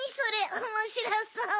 おもしろそう！